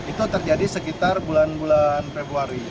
itu terjadi sekitar bulan bulan februari